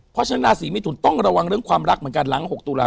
เพราะฉะนั้นราศีมิถุนต้องระวังเรื่องความรักเหมือนกันหลัง๖ตุลาค